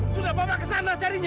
sudah papa kesana carinya